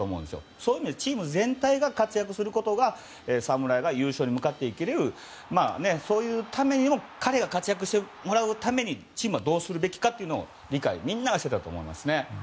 そういう意味でチーム全体が活躍することが侍が優勝に向かっていけるそのために彼に活躍してもらうためにチームはどうするべきかを理解をみんながしていたと思います。